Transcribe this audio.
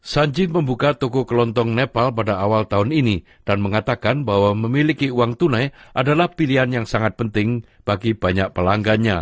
sanjeev membuka toko kelontong nepal pada awal tahun ini dan mengatakan bahwa memiliki uang tunai adalah pilihan yang sangat penting bagi banyak pelanggannya